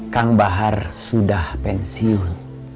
kang bahar sudah pensiun